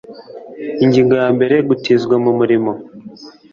Ingingo ya mbere Gutizwa mu murimo